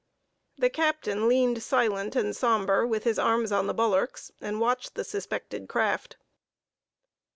The captain leaned silent and sombre with his arms on the bulwarks, and watched the suspected craft.